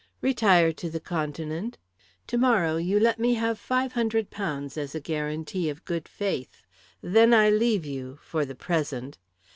"Retire to the Continent. Tomorrow you let me have £500 as a guarantee of good faith. Then I leave you for the present.